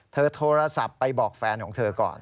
โทรศัพท์ไปบอกแฟนของเธอก่อน